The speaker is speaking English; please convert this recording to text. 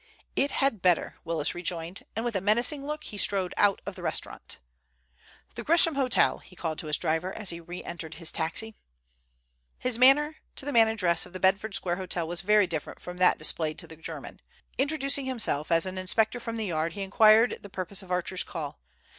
"It had better," Willis rejoined, and with a menacing look he strode out of the restaurant. "The Gresham Hotel," he called to his driver, as he reentered his taxi. His manner to the manageress of the Bedford Square hotel was very different from that displayed to the German. Introducing himself as an inspector from the Yard, he inquired the purpose of Archer's call.